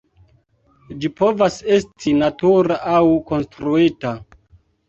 Ĝi povas esti natura aŭ konstruita.